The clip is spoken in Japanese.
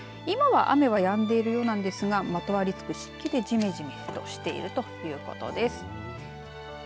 今は雨はやんでいるようですがまとわりつく湿気でじめじめとしているということです。